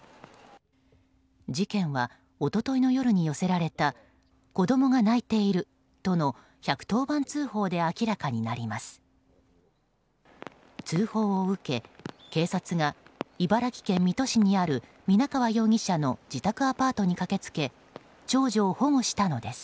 事件は一昨日の夜に寄せられた子供が泣いているとの１１０番通報で明らかになります。